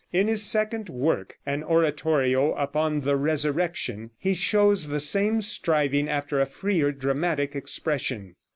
In his second work, an oratorio upon the "Resurrection," he shows the same striving after a freer dramatic expression.